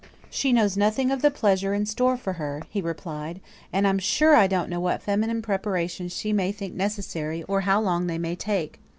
"She knows nothing of the pleasure in store for her," he replied; "and I'm sure I don't know what feminine preparations she may think necessary, or how long they may take.